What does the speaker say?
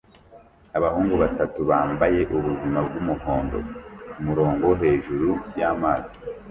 Abahungu batatu bambaye ubuzima bwumuhondo kumurongo hejuru y'amazi